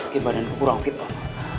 kebadan kurang fit om